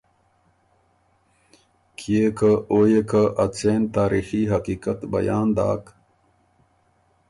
کيې که او يې که ا څېن تاریخي حقیقت بیان داک،